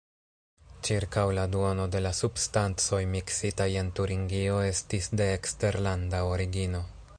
Ĉirkaŭ la duono de la substancoj miksitaj en Turingio estis de eksterlanda origino.